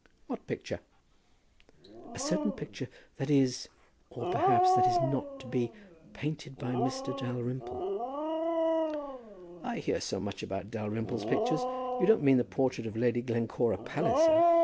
"What picture?" "A certain picture that is , or, perhaps, that is not to be, painted by Mr. Dalrymple?" "I hear so much about Dalrymple's pictures! You don't mean the portrait of Lady Glencora Palliser?